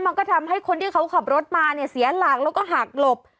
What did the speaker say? มันก็ทำให้คนที่เขาขับรถมาเนี่ยเสียหลักแล้วก็หักหลบ